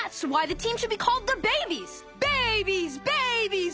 ベイビーズ！